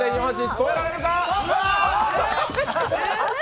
を超えられるか。